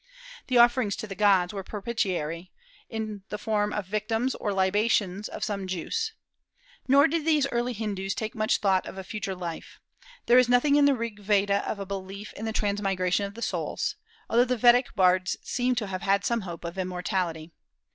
The offerings to the gods were propitiatory, in the form of victims, or libations of some juice. Nor did these early Hindus take much thought of a future life. There is nothing in the Rig Veda of a belief in the transmigration of souls, although the Vedic bards seem to have had some hope of immortality.